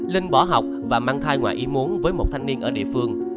linh bỏ học và mang thai ngoài ý muốn với một thanh niên ở địa phương